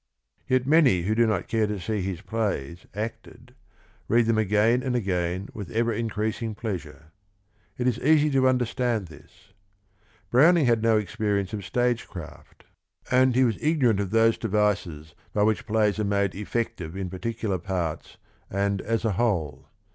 Yet many who do not care to see his plays acted read them again and again with ever increasing pleasure. It is easy to understand this. Browning had no experience of stage craft, and he was ignorant of those devices by which plays are made effective in particular parts and as a whole.